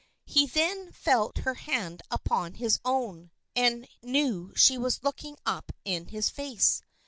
He then felt her hand upon his own, and knew she was looking up in his face.